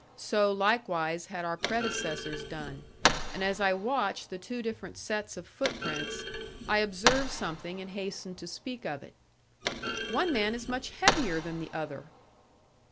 So likewise had our predecessors done; and as I watched the two different sets of footprints, I observed something and hastened to speak of it. "One man is much heavier than the other."